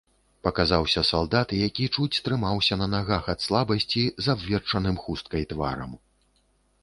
Паказаўся салдат, які чуць трымаўся на нагах ад слабасці, з абверчаным хусткай тварам.